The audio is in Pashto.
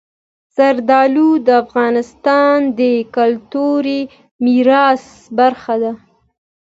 زردالو د افغانستان د کلتوري میراث برخه ده.